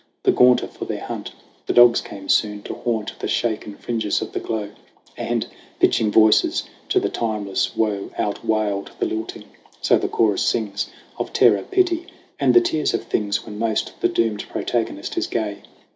The gaunter for their hunt, the dogs came soon To haunt the shaken fringes of the glow, And, pitching voices to the timeless woe, Outwailed the lilting. So the Chorus sings Of terror, pity and the tears of things When most the doomed protagonist is gay.